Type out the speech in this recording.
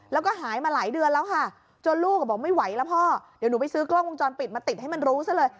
แล้วก็หายมาหลายเดือนแล้วค่ะจนลูกบอกไม่ไหวแล้วพ่อเดี๋ยวหนูไปซื้อกล้องวงจรปิดมาติดให้มันรู้ซะเลย